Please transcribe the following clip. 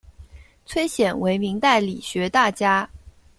崔铣为明代理学大家。